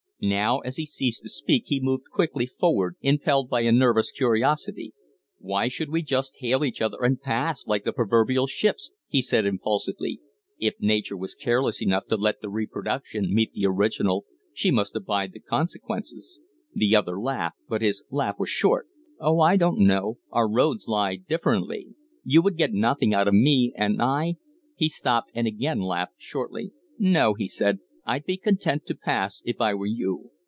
Now, as he ceased to speak, he moved quickly forward, impelled by a nervous curiosity. "Why should we just hail each other and pass like the proverbial ships?" he said, impulsively. "If Nature was careless enough to let the reproduction meet the original, she must abide the consequences." The other laughed, but his laugh was short. "Oh, I don't know. Our roads lie differently. You would get nothing out of me, and I " He stopped and again laughed shortly. "No," he said; "I'd be content to pass, if I were you.